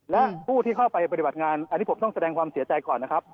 และผู้ที่เข้าไปปฏิบัติงานอันนี้ผมต้องแสดงความเสียใจก่อนนะครับ